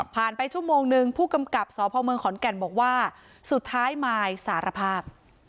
ไปชั่วโมงนึงผู้กำกับสพเมืองขอนแก่นบอกว่าสุดท้ายมายสารภาพ